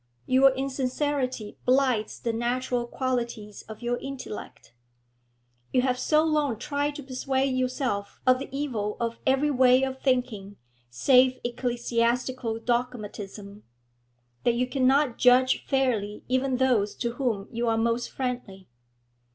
Your insincerity blights the natural qualities of your intellect. You have so long tried to persuade yourself of the evil of every way of thinking save ecclesiastical dogmatism, that you cannot judge fairly even those to whom you are most friendly.